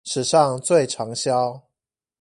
史上最長銷